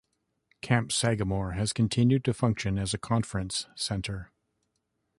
Camp Sagamore has continued to function as a conference center.